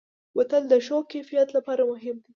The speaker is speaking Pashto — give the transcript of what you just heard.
بوتل د ښو کیفیت لپاره مهم وي.